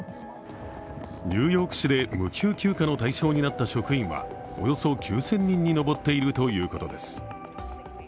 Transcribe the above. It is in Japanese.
ニューヨーク市で無給休暇の対象になった職員はおよそ９０００人に上っているということです。